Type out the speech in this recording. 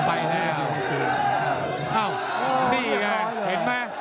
อ้าวนี่ค่ะเห็นไหม